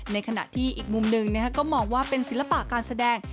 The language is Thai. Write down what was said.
ในขณะที่อีกมุมหนึ่งก็มองว่าเป็นศิลปะการแสดง